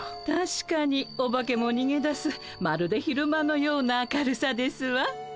たしかにお化けもにげ出すまるで昼間のような明るさですわ。